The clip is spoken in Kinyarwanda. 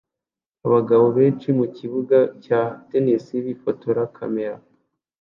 Abagabo benshi mukibuga cya tennis bifotora kamera